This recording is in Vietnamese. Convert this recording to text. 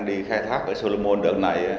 đi khai thác ở solomon đợt này